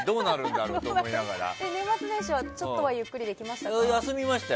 年末年始はちょっとはゆっくりできましたか？